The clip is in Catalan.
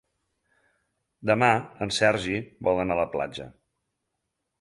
Demà en Sergi vol anar a la platja.